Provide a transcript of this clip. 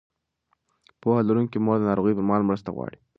پوهه لرونکې مور د ناروغۍ پر مهال مرسته غواړي.